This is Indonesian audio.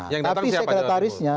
nah tapi sekretarisnya